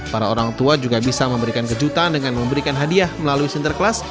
para orang tua juga bisa memberikan kejutan dengan memberikan hadiah melalui sinterklas